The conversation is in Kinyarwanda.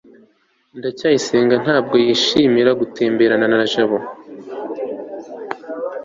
ndacyayisenga ntabwo yishimira gutemberana na jabo